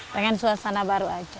pengen suasana baru aja